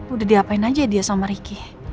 udah diapain aja dia sama ricky